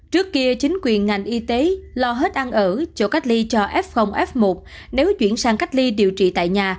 trước kia chính quyền ngành y tế lo hết ăn ở chỗ cách ly cho f f một nếu chuyển sang cách ly điều trị tại nhà